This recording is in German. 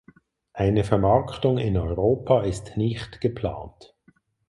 Eine Vermarktung in Europa ist nicht geplant.